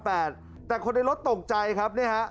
แต่คนในรถตกใจครับนี่ฮะ